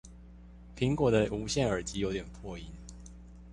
蘋果的無線耳機有點破音